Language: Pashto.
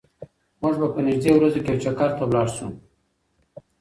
موږ به په نږدې ورځو کې یو چکر ته لاړ شو.